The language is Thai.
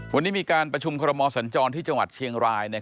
วันนี้มีการประชุมคอรมอสัญจรที่จังหวัดเชียงราย